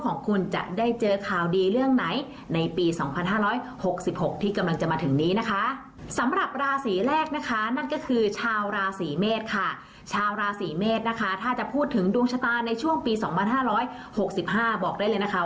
ของคนนะคะทั้งหกราศีแรกก่อนค่ะ